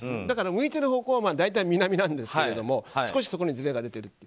だから向いてる方向は大体、南なんですけれども少しそこにずれが出ている。